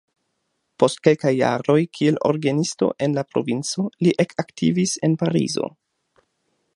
Post kelkaj jaroj kiel orgenisto en la provinco li ekaktivis en Parizo.